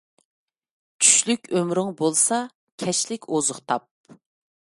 چۈشلۈك ئۆمرۈڭ بولسا، كەچلىك ئوزۇق تاپ.